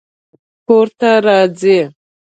ته به کله کور ته راځې؟